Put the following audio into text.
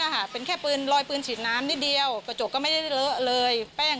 แหล่งครองเทพภายในผ่าน